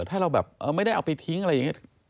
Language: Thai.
ถ้าเราแบบไม่ได้เอาไปทิ้งอะไรอย่างนี้